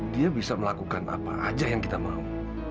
dia bisa melakukan apa aja yang kita mau